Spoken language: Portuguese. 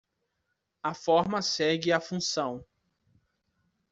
A forma segue a função.